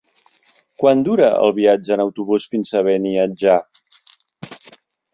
Quant dura el viatge en autobús fins a Beniatjar?